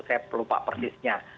saya lupa persisnya